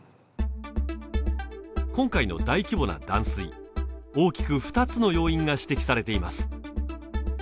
今回の大規模な断水大きく２つの要因が指摘されています